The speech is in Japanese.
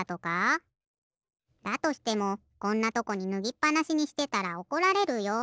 だとしてもこんなとこにぬぎっぱなしにしてたらおこられるよ。